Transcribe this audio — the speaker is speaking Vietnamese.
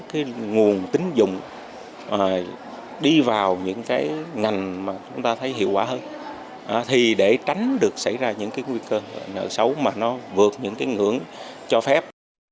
cái nguồn tính dụng đi vào những cái ngành mà chúng ta thấy hiệu quả hơn thì để tránh được xảy ra những cái nguy cơ nợ xấu mà nó vượt những cái ngưỡng cho phép